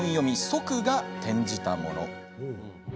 「そく」が転じたもの。